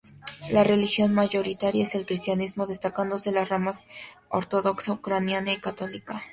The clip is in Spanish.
La religión mayoritaria es el cristianismo, destacándose las ramas ortodoxa ucraniana y católica.